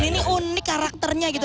ini unik karakternya gitu